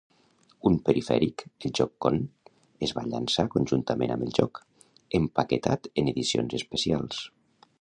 Un perifèric, el JogCon, es va llançar conjuntament amb el joc, empaquetat en edicions especials.